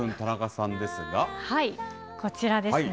はい、こちらですね。